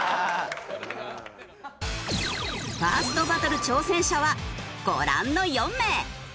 ファーストバトル挑戦者はご覧の４名！